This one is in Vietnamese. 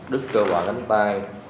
đứt cơ bào tránh tay